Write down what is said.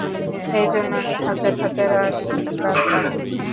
এর জন্য আমি হাজার হাজার আশীর্বাদ পাব।